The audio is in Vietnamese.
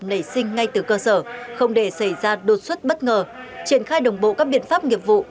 nảy sinh ngay từ cơ sở không để xảy ra đột xuất bất ngờ triển khai đồng bộ các biện pháp nghiệp vụ